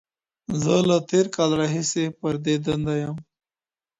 زه له تېر کال راهیسې پر دي دنده یم.